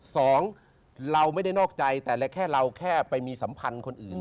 สองเราไม่ได้นอกใจแต่ละแค่เราแค่ไปมีสัมพันธ์คนอื่น